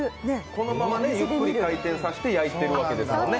このままゆっくり回転させて焼いてるんですよね。